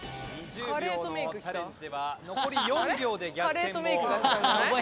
カレーとメイクが来たんじゃない？